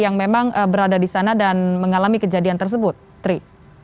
yang memang berada di sana dan mengalami kejadian tersebut tri